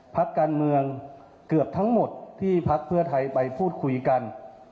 พักการเมืองเกือบทั้งหมดที่พักเพื่อไทยไปพูดคุยกัน